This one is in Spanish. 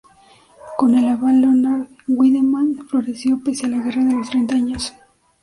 Con el abad Leonard Wiedemann floreció pese a la Guerra de los Treinta Años.